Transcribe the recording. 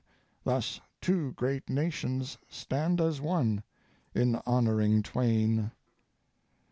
Thus two great nations stand as one In honoring Twain."